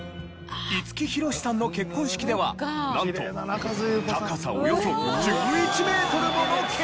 五木ひろしさんの結婚式ではなんと高さおよそ１１メートルものケーキが。